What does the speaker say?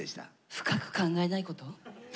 深く考えないこと。